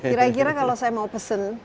kira kira kalau saya mau pesen